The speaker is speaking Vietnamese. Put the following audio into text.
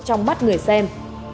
trong mắt người xem